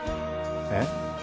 えっ？